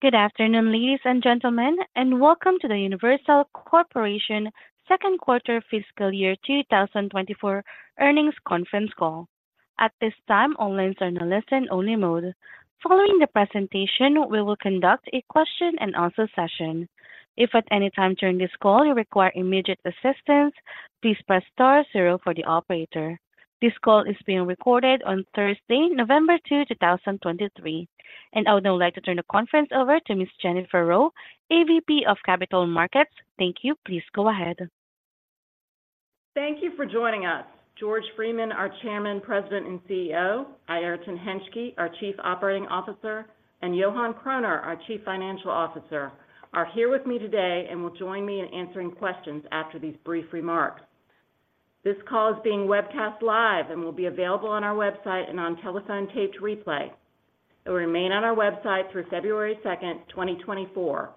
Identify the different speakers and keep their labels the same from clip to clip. Speaker 1: Good afternoon, ladies and gentlemen, and welcome to the Universal Corporation Second Quarter Fiscal Year 2024 Earnings Conference Call. At this time, all lines are in a listen-only mode. Following the presentation, we will conduct a question-and-answer session. If at any time during this call you require immediate assistance, please press star zero for the operator. This call is being recorded on Thursday, November 2, 2023, and I would now like to turn the conference over to Miss Jennifer Rowe, AVP of Capital Markets. Thank you. Please go ahead.
Speaker 2: Thank you for joining us. George Freeman, our Chairman, President, and CEO, Airton Hentschke, our Chief Operating Officer, and Johan Kroner, our Chief Financial Officer, are here with me today and will join me in answering questions after these brief remarks. This call is being webcast live and will be available on our website and on telephone taped replay. It will remain on our website through February second, twenty twenty-four.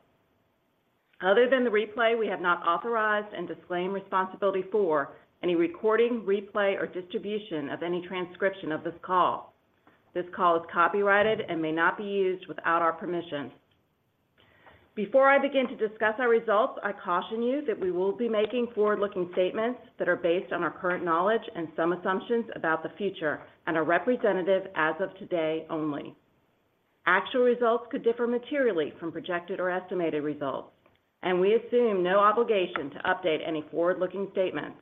Speaker 2: Other than the replay, we have not authorized and disclaim responsibility for any recording, replay, or distribution of any transcription of this call. This call is copyrighted and may not be used without our permission. Before I begin to discuss our results, I caution you that we will be making forward-looking statements that are based on our current knowledge and some assumptions about the future and are representative as of today only. Actual results could differ materially from projected or estimated results, and we assume no obligation to update any forward-looking statements.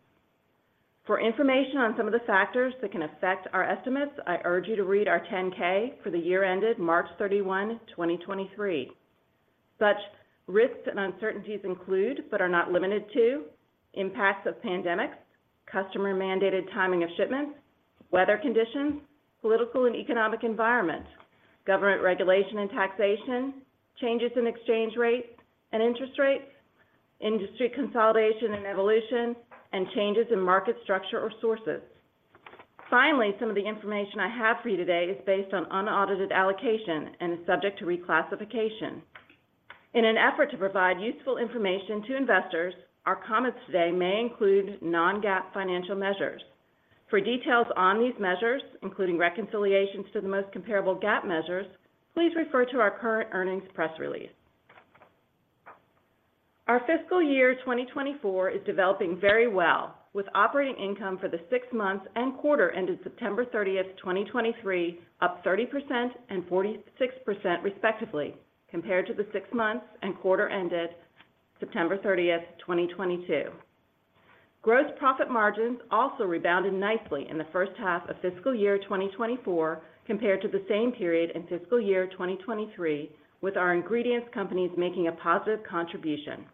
Speaker 2: For information on some of the factors that can affect our estimates, I urge you to read our 10-K for the year ended March 31, 2023. Such risks and uncertainties include, but are not limited to, impacts of pandemics, customer-mandated timing of shipments, weather conditions, political and economic environment, government regulation and taxation, changes in exchange rates and interest rates, industry consolidation and evolution, and changes in market structure or sources. Finally, some of the information I have for you today is based on unaudited allocation and is subject to reclassification. In an effort to provide useful information to investors, our comments today may include non-GAAP financial measures. For details on these measures, including reconciliations to the most comparable GAAP measures, please refer to our current earnings press release. Our fiscal year 2024 is developing very well, with operating income for the six months and quarter ended September 30, 2023, up 30% and 46% respectively, compared to the six months and quarter ended September 30, 2022. Gross profit margins also rebounded nicely in the first half of fiscal year 2024 compared to the same period in fiscal year 2023, with our ingredients companies making a positive contribution.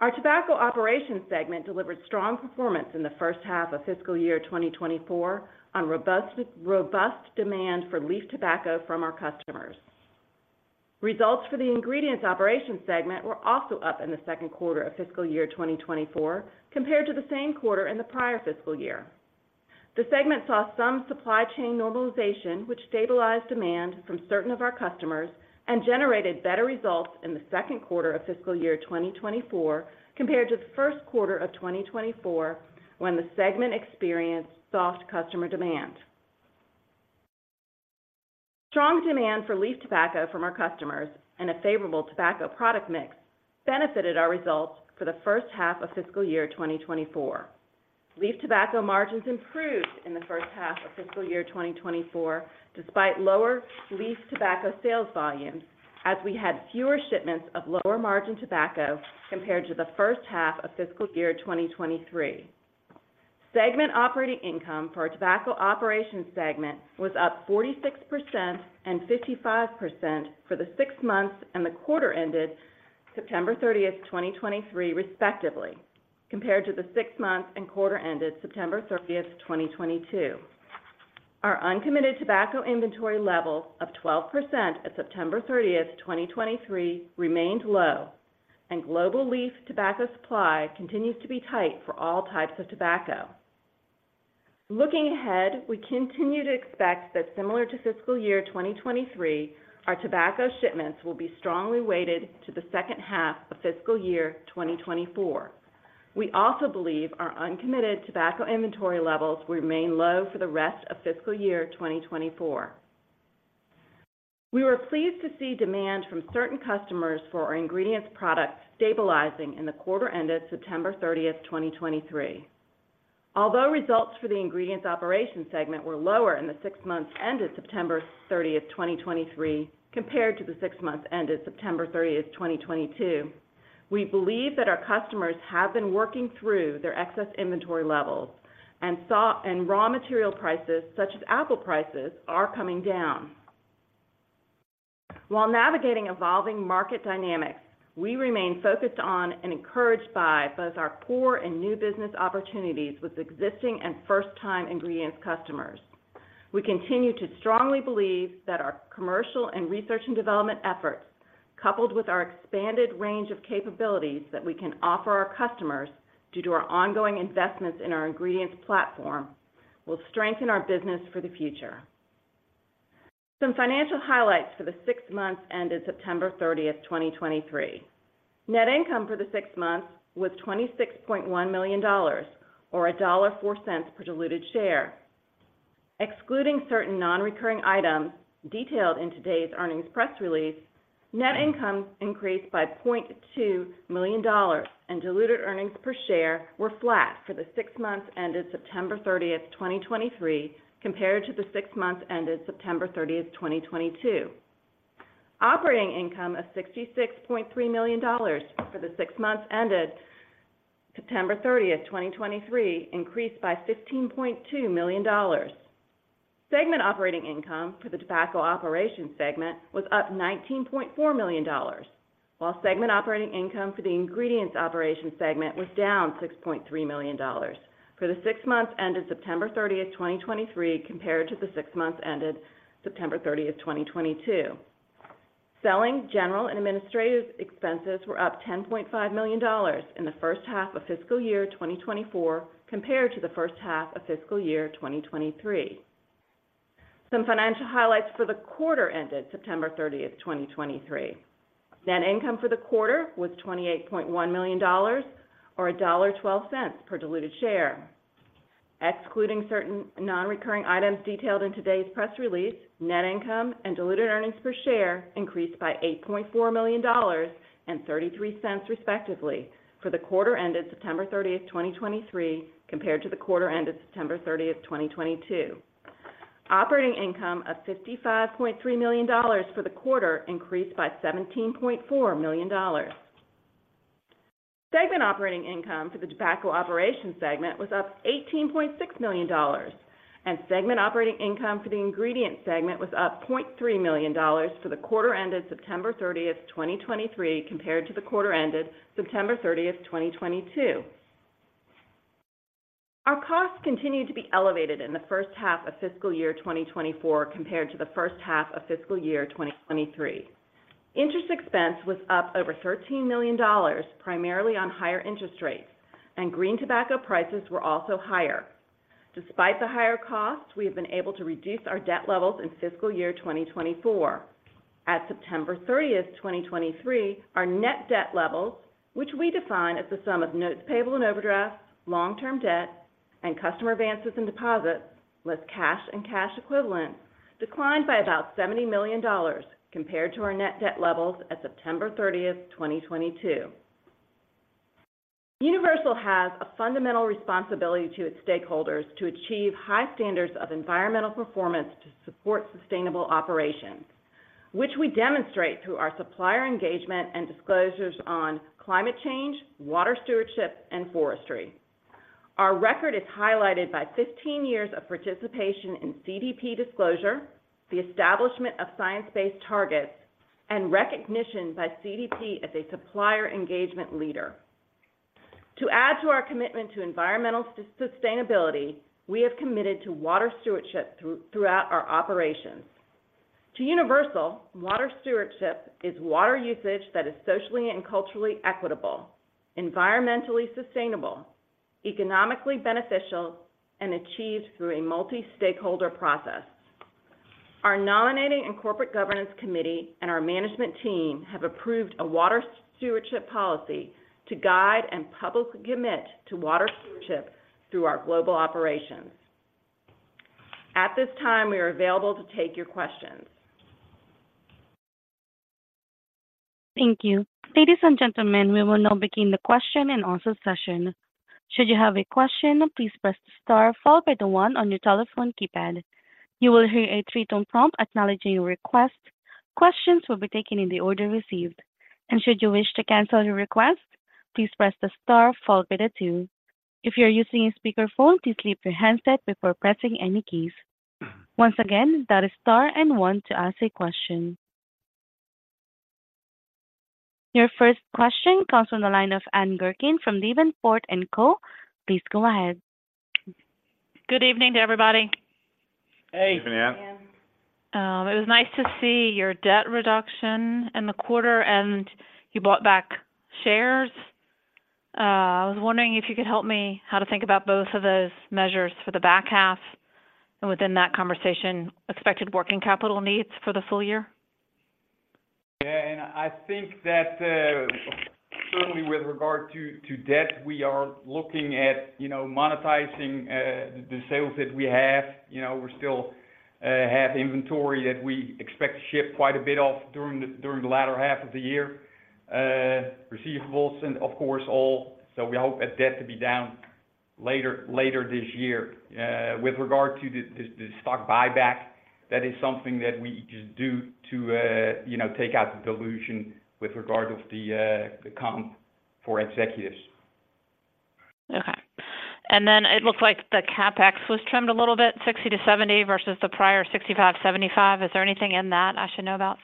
Speaker 2: Our tobacco operations segment delivered strong performance in the first half of fiscal year 2024 on robust, robust demand for leaf tobacco from our customers. Results for the ingredients operations segment were also up in the second quarter of fiscal year 2024 compared to the same quarter in the prior fiscal year. The segment saw some supply chain normalization, which stabilized demand from certain of our customers and generated better results in the second quarter of fiscal year 2024 compared to the first quarter of 2024, when the segment experienced soft customer demand. Strong demand for leaf tobacco from our customers and a favorable tobacco product mix benefited our results for the first half of fiscal year 2024. Leaf tobacco margins improved in the first half of fiscal year 2024, despite lower leaf tobacco sales volumes, as we had fewer shipments of lower-margin tobacco compared to the first half of fiscal year 2023. Segment operating income for our tobacco operations segment was up 46% and 55% for the six months and the quarter ended September 30, 2023, respectively, compared to the six months and quarter ended September 30, 2022. Our uncommitted tobacco inventory levels of 12% at September 30, 2023, remained low, and global leaf tobacco supply continues to be tight for all types of tobacco. Looking ahead, we continue to expect that similar to fiscal year 2023, our tobacco shipments will be strongly weighted to the second half of fiscal year 2024. We also believe our uncommitted tobacco inventory levels will remain low for the rest of fiscal year 2024. We were pleased to see demand from certain customers for our ingredients products stabilizing in the quarter ended September 30, 2023. Although results for the ingredients operations segment were lower in the six months ended September 30, 2023, compared to the six months ended September 30, 2022, we believe that our customers have been working through their excess inventory levels, and raw material prices, such as apple prices, are coming down. While navigating evolving market dynamics, we remain focused on and encouraged by both our core and new business opportunities with existing and first-time ingredients customers. We continue to strongly believe that our commercial and research and development efforts, coupled with our expanded range of capabilities that we can offer our customers due to our ongoing investments in our ingredients platform, will strengthen our business for the future. Some financial highlights for the six months ended September 30, 2023. Net income for the six months was $26.1 million, or $1.04 per diluted share, excluding certain nonrecurring items detailed in today's earnings press release, net income increased by $0.2 million, and diluted earnings per share were flat for the six months ended September 30, 2023, compared to the six months ended September 30, 2022. Operating income of $66.3 million for the six months ended September 30, 2023, increased by $15.2 million. Segment operating income for the tobacco operations segment was up $19.4 million, while segment operating income for the ingredients operations segment was down $6.3 million for the six months ended September 30, 2023, compared to the six months ended September 30, 2022. Selling, general, and administrative expenses were up $10.5 million in the first half of fiscal year 2024, compared to the first half of fiscal year 2023. Some financial highlights for the quarter ended September 30, 2023. Net income for the quarter was $28.1 million or $1.12 per diluted share. Excluding certain nonrecurring items detailed in today's press release, net income and diluted earnings per share increased by $8.4 million and $0.33, respectively, for the quarter ended September 30, 2023, compared to the quarter ended September 30, 2022. Operating income of $55.3 million for the quarter increased by $17.4 million. Segment operating income for the tobacco operations segment was up $18.6 million, and segment operating income for the ingredient segment was up $0.3 million for the quarter ended September 30, 2023, compared to the quarter ended September 30, 2022. Our costs continued to be elevated in the first half of fiscal year 2024 compared to the first half of fiscal year 2023. Interest expense was up over $13 million, primarily on higher interest rates, and green tobacco prices were also higher. Despite the higher costs, we have been able to reduce our debt levels in fiscal year 2024. At September 30th, 2023, our net debt levels, which we define as the sum of notes payable and overdraft, long-term debt, and customer advances and deposits, less cash and cash equivalents, declined by about $70 million compared to our net debt levels at September 30th, 2022. Universal has a fundamental responsibility to its stakeholders to achieve high standards of environmental performance to support sustainable operations, which we demonstrate through our supplier engagement and disclosures on climate change, water stewardship, and forestry. Our record is highlighted by 15 years of participation in CDP disclosure, the establishment of science-based targets, and recognition by CDP as a supplier engagement leader. To add to our commitment to environmental sustainability, we have committed to water stewardship throughout our operations. To Universal, water stewardship is water usage that is socially and culturally equitable, environmentally sustainable, economically beneficial, and achieved through a multi-stakeholder process. Our Nominating and Corporate Governance Committee and our management team have approved a water stewardship policy to guide and publicly commit to water stewardship through our global operations. At this time, we are available to take your questions.
Speaker 1: Thank you. Ladies and gentlemen, we will now begin the question-and-answer session. Should you have a question, please press star followed by the one on your telephone keypad. You will hear a three-tone prompt acknowledging your request. Questions will be taken in the order received, and should you wish to cancel your request, please press the star followed by the two. If you're using a speakerphone, please leave your handset before pressing any keys. Once again, that is star and one to ask a question. Your first question comes from the line of Ann Gurkin from Davenport & Co. Please go ahead.
Speaker 3: Good evening to everybody.
Speaker 2: Hey.
Speaker 1: Good evening, Ann.
Speaker 3: It was nice to see your debt reduction in the quarter, and you bought back shares. I was wondering if you could help me, how to think about both of those measures for the back half, and within that conversation, expected working capital needs for the full year?
Speaker 2: Yeah, and I think that certainly with regard to debt, we are looking at, you know, monetizing the sales that we have. You know, we still have inventory that we expect to ship quite a bit of during the latter half of the year. Receivables, and of course, all, so we hope that debt to be down later this year. With regard to the stock buyback, that is something that we just do to, you know, take out the dilution with regard of the comp for executives.
Speaker 3: Okay. And then it looks like the CapEx was trimmed a little bit, $60-$70 versus the prior $65-$75. Is there anything in that I should know about?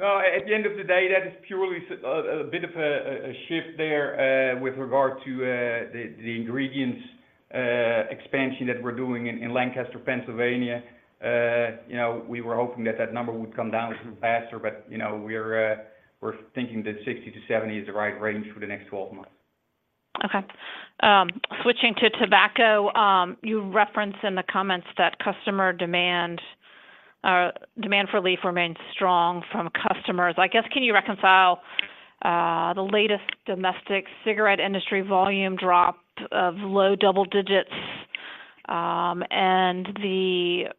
Speaker 2: At the end of the day, that is purely a bit of a shift there with regard to the ingredients expansion that we're doing in Lancaster, Pennsylvania. You know, we were hoping that that number would come down a little faster, but you know, we're thinking that 60-70 is the right range for the next twelve months.
Speaker 3: Okay. Switching to tobacco, you referenced in the comments that customer demand... Our demand for leaf remains strong from customers. I guess, can you reconcile the latest domestic cigarette industry volume drop of low double digits, and the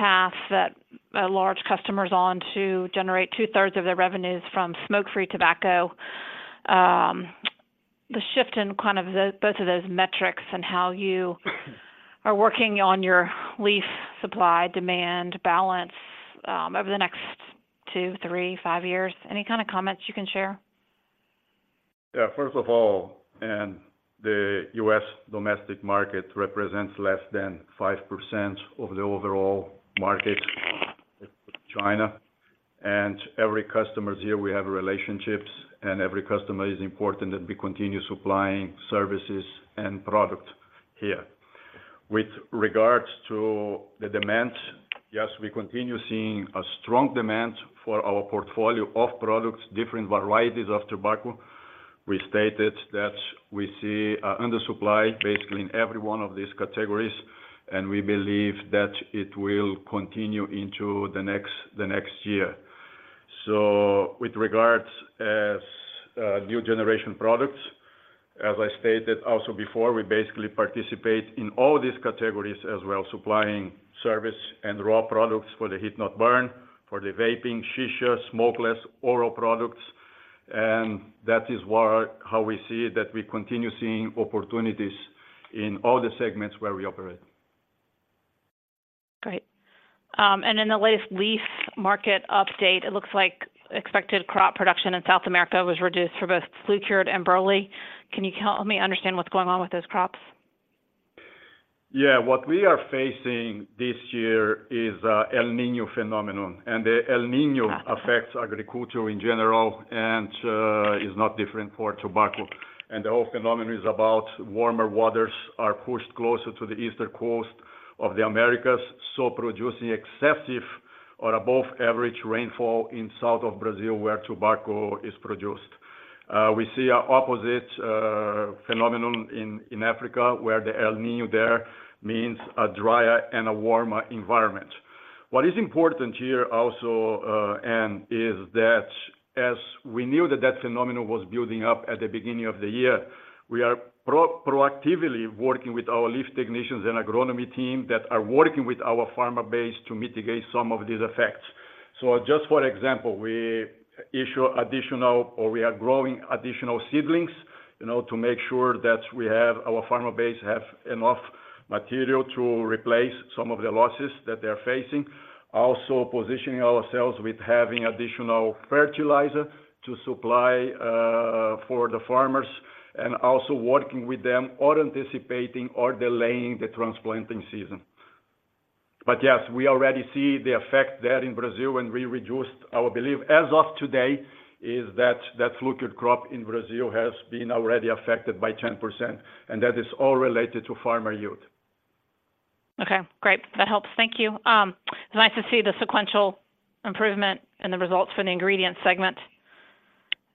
Speaker 3: path that large customers on to generate two-thirds of their revenues from smoke-free tobacco? The shift in kind of the both of those metrics and how you are working on your leaf supply-demand balance over the next two, three, five years. Any kind of comments you can share?
Speaker 4: Yeah, first of all, the US domestic market represents less than 5% of the overall market, China. Every customer here, we have relationships, and every customer is important, and we continue supplying services and product here. With regards to the demand, yes, we continue seeing a strong demand for our portfolio of products, different varieties of tobacco. We stated that we see under supply basically in every one of these categories, and we believe that it will continue into the next, the next year. So with regards as new generation products, as I stated also before, we basically participate in all these categories as well, supplying service and raw products for the heat-not-burn, for the vaping, shisha, smokeless, oral products, and that is where how we see that we continue seeing opportunities in all the segments where we operate.
Speaker 3: Great. And in the latest leaf market update, it looks like expected crop production in South America was reduced for both Flue-cured and Burley. Can you help me understand what's going on with those crops?
Speaker 4: Yeah, what we are facing this year is El Niño phenomenon, and the El Niño affects agriculture in general and is not different for tobacco. And the whole phenomenon is about warmer waters are pushed closer to the eastern coast of the Americas, so producing excessive or above average rainfall in south of Brazil, where tobacco is produced. We see an opposite phenomenon in Africa, where the El Niño there means a drier and a warmer environment. What is important here also, Ann, is that as we knew that that phenomenon was building up at the beginning of the year, we are proactively working with our leaf technicians and agronomy team that are working with our farmer base to mitigate some of these effects. So just for example, we issue additional or we are growing additional seedlings, you know, to make sure that we have... our farmer base have enough material to replace some of the losses that they're facing. Also, positioning ourselves with having additional fertilizer to supply, for the farmers and also working with them or anticipating or delaying the transplanting season. But yes, we already see the effect there in Brazil, and we reduced our belief. As of today, is that, that flue-cured crop in Brazil has been already affected by 10%, and that is all related to farmer yield.
Speaker 3: Okay, great. That helps. Thank you. It's nice to see the sequential improvement and the results for the ingredient segment.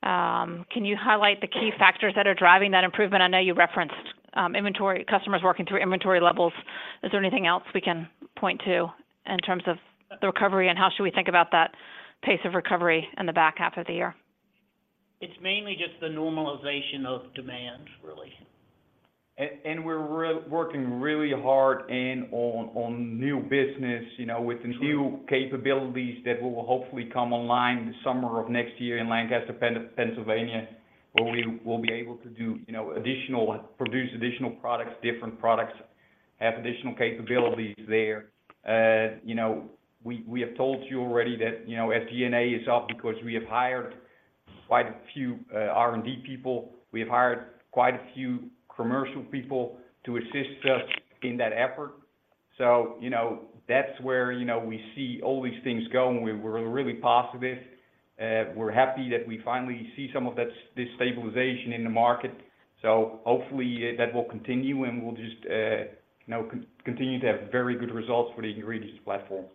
Speaker 3: Can you highlight the key factors that are driving that improvement? I know you referenced inventory, customers working through inventory levels. Is there anything else we can point to in terms of the recovery, and how should we think about that pace of recovery in the back half of the year? It's mainly just the normalization of demand, really.
Speaker 4: And we're working really hard on new business, you know, with the new capabilities that will hopefully come online in the summer of next year in Lancaster, Pennsylvania, where we will be able to do, you know, additional—produce additional products, different products, have additional capabilities there. You know, we have told you already that, you know, SG&A is up because we have hired quite a few R&D people. We have hired quite a few commercial people to assist us in that effort. So, you know, that's where, you know, we see all these things going. We're really positive. We're happy that we finally see some of this stabilization in the market. So hopefully, that will continue, and we'll just, you know, continue to have very good results for the ingredients platform.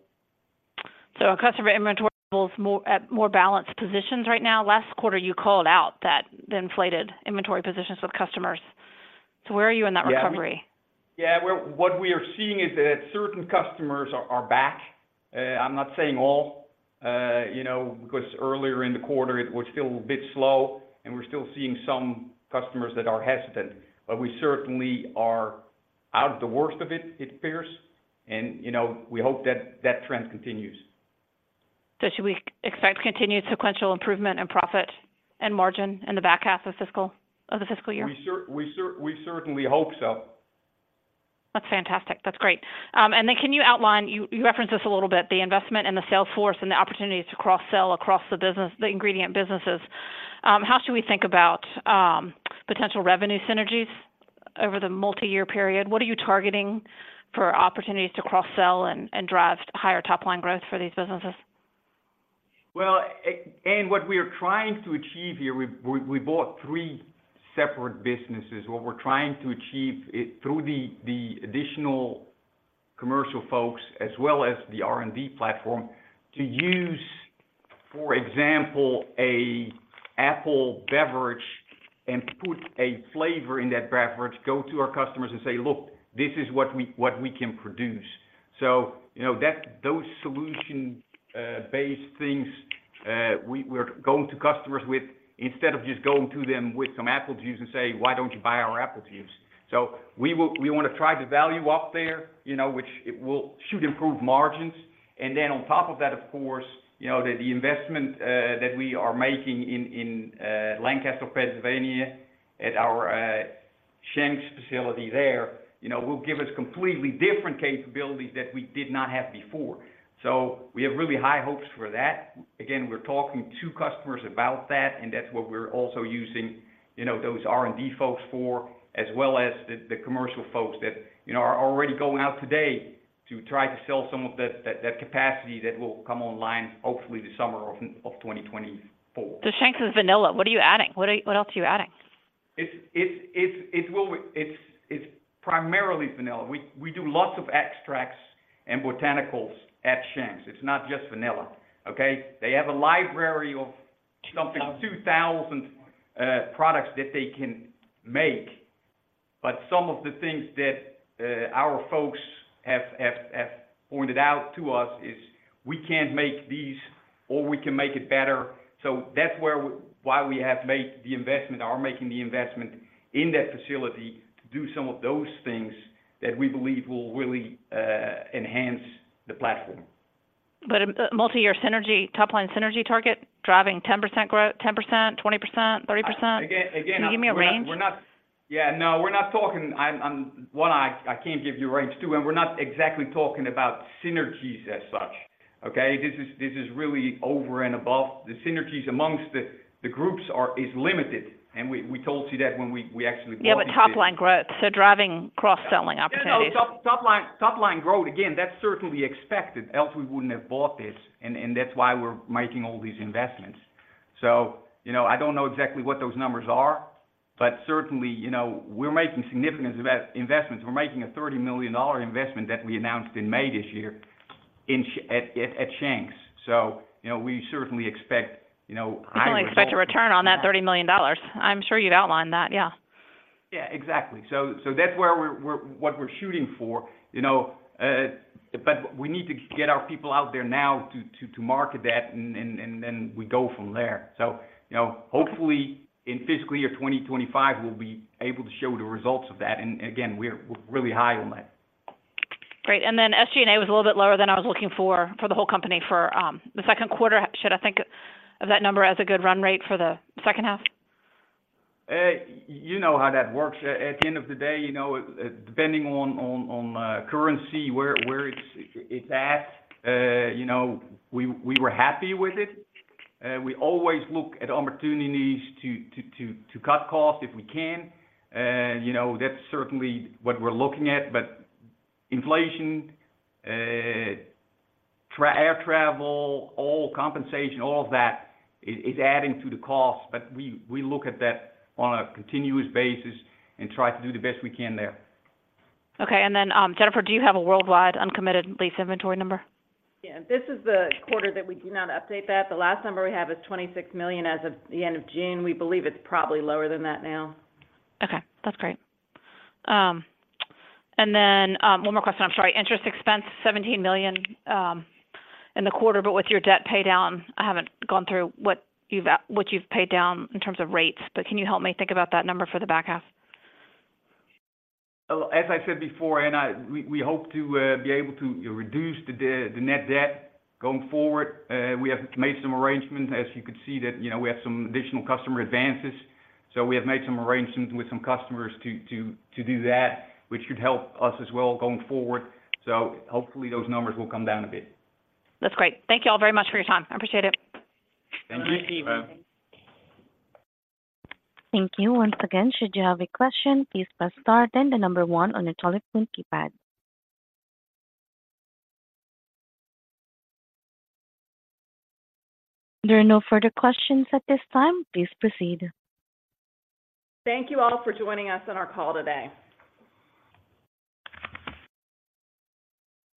Speaker 3: So are customer inventory levels more at more balanced positions right now? Last quarter, you called out that the inflated inventory positions with customers. So where are you in that recovery?
Speaker 4: Yeah. Well, what we are seeing is that certain customers are back. I'm not saying all, you know, because earlier in the quarter it was still a bit slow, and we're still seeing some customers that are hesitant, but we certainly are out of the worst of it, it appears, and, you know, we hope that that trend continues.
Speaker 3: So should we expect continued sequential improvement in profit and margin in the back half of the fiscal year?
Speaker 4: We certainly hope so.
Speaker 3: That's fantastic. That's great. And then can you outline, you referenced this a little bit, the investment in the sales force and the opportunity to cross-sell across the business, the ingredient businesses. How should we think about potential revenue synergies over the multi-year period? What are you targeting for opportunities to cross-sell and drive higher top-line growth for these businesses?
Speaker 4: Well, and what we are trying to achieve here, we bought three separate businesses. What we're trying to achieve is through the additional commercial folks as well as the R&D platform, to use-...
Speaker 5: For example, an apple beverage and put a flavor in that beverage, go to our customers and say, "Look, this is what we, what we can produce." So you know, that, those solution-based things, we, we're going to customers with, instead of just going to them with some apple juice and say, "Why don't you buy our apple juice?" So we will, we wanna drive the value up there, you know, which it will should improve margins. And then on top of that, of course, you know, the, the investment that we are making in Lancaster, Pennsylvania, at our Shank's facility there, you know, will give us completely different capabilities that we did not have before. So we have really high hopes for that. Again, we're talking to customers about that, and that's what we're also using, you know, those R&D folks for, as well as the commercial folks that, you know, are already going out today to try to sell some of that capacity that will come online hopefully the summer of 2024.
Speaker 3: Shank's is vanilla. What else are you adding?
Speaker 5: It's primarily vanilla. We do lots of extracts and botanicals at Shank's. It's not just vanilla, okay? They have a library of something, 2,000 products that they can make. But some of the things that our folks have pointed out to us is, "We can't make these, or we can make it better." So that's where we why we have made the investment, are making the investment in that facility to do some of those things that we believe will really enhance the platform.
Speaker 3: But, multiyear synergy, top-line synergy target, driving 10% growth, 10%, 20%, 30%?
Speaker 5: Again, again-
Speaker 3: Can you give me a range?
Speaker 5: Yeah, no, we're not talking. I'm. I can't give you a range too, and we're not exactly talking about synergies as such, okay? This is really over and above. The synergies among the groups are limited, and we told you that when we actually bought this.
Speaker 3: Yeah, but top-line growth, so driving cross-selling opportunities.
Speaker 5: Yeah, no, top line, top line growth, again, that's certainly expected, else we wouldn't have bought this, and that's why we're making all these investments. So you know, I don't know exactly what those numbers are, but certainly, you know, we're making significant investments. We're making a $30 million investment that we announced in May this year in Shank's. So, you know, we certainly expect, you know, high results.
Speaker 3: You certainly expect a return on that $30 million. I'm sure you'd outlined that, yeah.
Speaker 5: Yeah, exactly. So, that's where we're what we're shooting for, you know. But we need to get our people out there now to market that, and then we go from there. So, you know, hopefully in fiscal year 2025, we'll be able to show the results of that. And again, we're really high on that.
Speaker 3: Great. And then SG&A was a little bit lower than I was looking for for the whole company for the second quarter. Should I think of that number as a good run rate for the second half?
Speaker 5: You know how that works. At the end of the day, you know, depending on currency, where it's at, you know, we were happy with it. We always look at opportunities to cut costs if we can. You know, that's certainly what we're looking at. But inflation, air travel, all compensation, all of that is adding to the cost, but we look at that on a continuous basis and try to do the best we can there.
Speaker 3: Okay, and then, Jennifer, do you have a worldwide uncommitted leaf inventory number?
Speaker 2: Yeah. This is the quarter that we do not update that. The last number we have is $26 million as of the end of June. We believe it's probably lower than that now.
Speaker 3: Okay, that's great. And then, one more question, I'm sorry. Interest expense, $17 million, in the quarter, but with your debt pay down, I haven't gone through what you've paid down in terms of rates, but can you help me think about that number for the back half?
Speaker 5: Well, as I said before, we hope to be able to reduce the net debt going forward. We have made some arrangements, as you could see, that, you know, we have some additional customer advances. So we have made some arrangements with some customers to do that, which should help us as well going forward. So hopefully, those numbers will come down a bit.
Speaker 3: That's great. Thank you all very much for your time. I appreciate it.
Speaker 5: Thank you.
Speaker 2: Thank you.
Speaker 1: Thank you. Once again, should you have a question, please press star then the number one on your telephone keypad. There are no further questions at this time. Please proceed.
Speaker 2: Thank you all for joining us on our call today.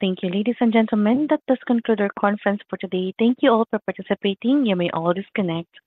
Speaker 1: Thank you, ladies and gentlemen. That does conclude our conference for today. Thank you all for participating. You may all disconnect.